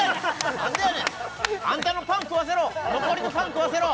何でやねんあんたのパン食わせろ残りのパン食わせろ！